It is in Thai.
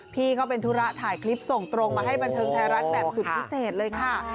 พี่เขาเป็นธุระถ่ายคลิปส่งตรงมาให้บันเทิงไทยรัฐแบบสุดพิเศษเลยค่ะ